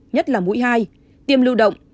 nhất là mũi hai tiêm lưu động